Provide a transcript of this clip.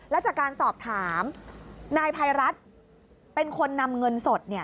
และจากการสอบถามนายภัยรัฐเป็นคนนำเงินสด